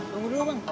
tunggu dulu bang